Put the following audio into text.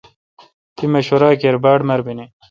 تی مشورہ کیر باڑ مربینی۔